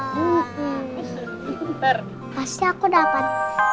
pasti aku dapat